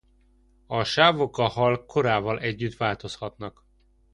A sávok a hal korával együtt változhatnak.